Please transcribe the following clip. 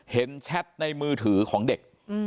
แชทในมือถือของเด็ก